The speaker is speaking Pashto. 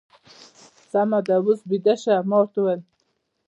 سمه ده، اوس بېده شه. ما ورته وویل.